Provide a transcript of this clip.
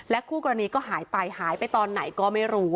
คู่กรณีก็หายไปหายไปตอนไหนก็ไม่รู้